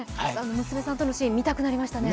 娘さんとのシーン、見たくなりましたね。